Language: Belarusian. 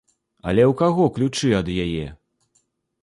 Але ў каго ключы ад яе?